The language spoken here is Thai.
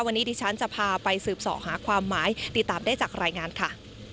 วันนี้ดิฉันจะพาไปสืบสอหาความหมายติดตามได้จากรายงานค่ะ